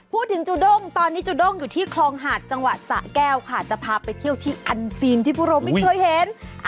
จูด้งตอนนี้จูด้งอยู่ที่คลองหาดจังหวัดสะแก้วค่ะจะพาไปเที่ยวที่อันซีนที่พวกเราไม่เคยเห็น